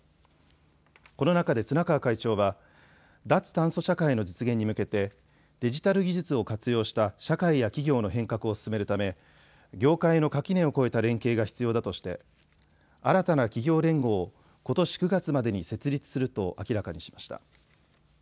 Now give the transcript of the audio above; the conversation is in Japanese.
この中で綱川会長は脱炭素社会の実現に向けてデジタル技術を活用した社会や企業の変革を進めるため業界の垣根を越えた連携が必要だとして新たな企業連合をことし９月までに設立すると明らかにしました。